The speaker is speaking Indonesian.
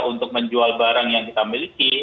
untuk menjual barang yang kita miliki